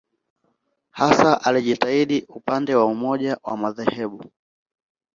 Hasa alijitahidi upande wa umoja wa madhehebu.